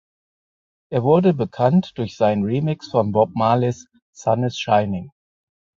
Er wurde bekannt durch seinen Remix von Bob Marleys Sun Is Shining.